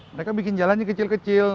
mereka bikin jalannya kecil kecil